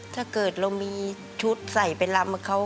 ถ้าเกิดเรามีชุดใส่ไปลำกับเขา